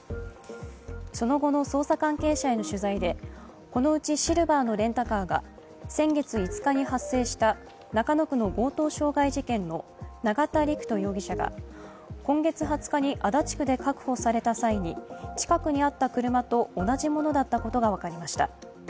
その後の捜査関係者への取材でこのうちシルバーのレンタカーが先月５日に発生した中野区の強盗傷害事件の永田陸人容疑者が今月２０日に足立区で確保された際に近くにあった車と同じものだったことが分かりました。